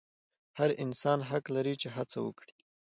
هر انسان حق لري چې هڅه وکړي.